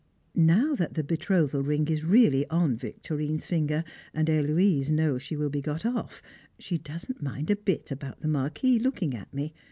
Now that the betrothal ring is really on Victorine's finger, and Héloise knows she will be got off, she does not mind a bit about the Marquis looking at me.